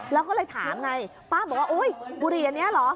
แล้วก็เลยถามไงป้าบอกว่าอุ๊ยบุหรี่อันนี้เหรอ